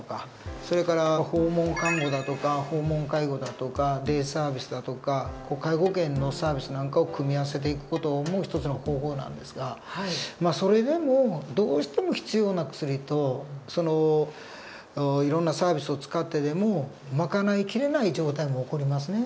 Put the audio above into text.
それから訪問看護だとか訪問介護だとかデイサービスだとか介護保険のサービスなんかを組み合わせていく事も一つの方法なんですがまあそれでもどうしても必要な薬といろんなサービスを使ってでもまかないきれない状態も起こりますね。